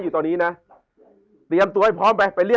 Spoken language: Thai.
ชื่องนี้ชื่องนี้ชื่องนี้ชื่องนี้